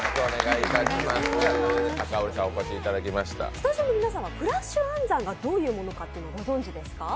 スタジオの皆さん、フラッシュ暗算がどういうものかご存じですか？